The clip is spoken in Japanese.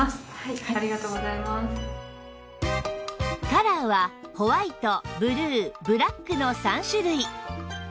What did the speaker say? カラーはホワイトブルーブラックの３種類